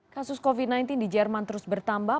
kasus covid sembilan belas di jerman terus bertambah